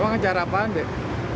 emang acara apaan dek